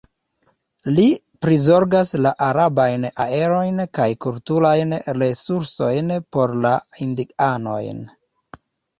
Li prizorgas la arbarajn areojn kaj kulturajn resursojn por la indianoj.